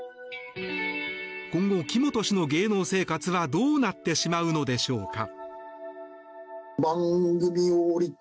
今後、木本氏の芸能生活はどうなってしまうのでしょうか。